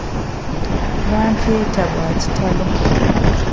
Bwankeeta bya kitalo.